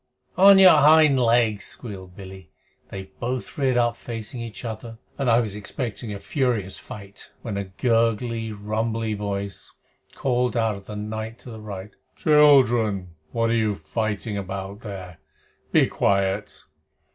"On your hind legs!" squealed Billy. They both reared up facing each other, and I was expecting a furious fight, when a gurgly, rumbly voice, called out of the darkness to the right "Children, what are you fighting about there? Be quiet."